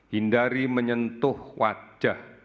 hindari menyentuh wajah